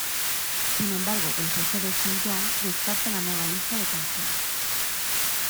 Sin embargo el jefe de sun-young descarta la nueva lista de canciones.